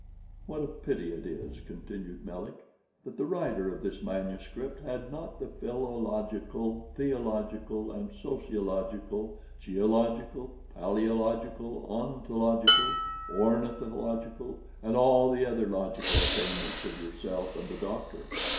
"What a pity it is," continued Melick, "that the writer of this manuscript had not the philological, theological, sociological, geological, palaeological, ontological, ornithological, and all the other logical attainments of yourself and the doctor!